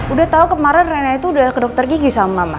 udah tahu kemarin rena itu udah ke dokter gigi sama mama